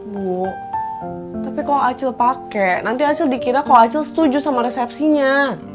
bu tapi kalau acil pakai nanti acil dikira kok acil setuju sama resepsinya